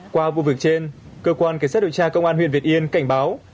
qua vụ việc trên cơ quan cảnh sát điều tra công an huyện việt yên cảnh báo